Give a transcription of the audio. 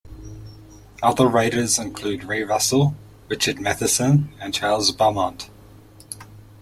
Other writers included Ray Russell, Richard Matheson and Charles Beaumont.